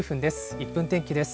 １分天気です。